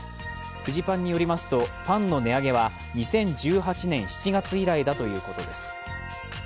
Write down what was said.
フジパンによりますとパンの値上げは２０１８年７月以来だということです。